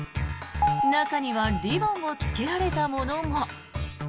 中にはリボンをつけられたものも。